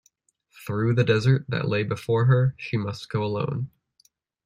Through the desert that lay before her, she must go alone.